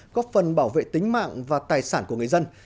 góp phần bảo vệ tính mạng và tài sản của người dân